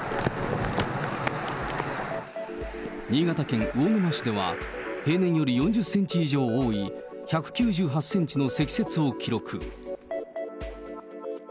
新潟県魚沼市では、平年より４０センチ以上多い１９８センチの積雪を記録。